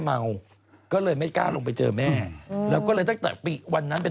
แต่ก็เลยไม่กล้าลงไปเจอแม่แล้วก็เลยถึงจะไปไปวันนั้น